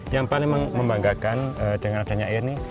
yang paling membanggakan dengan adanya air ini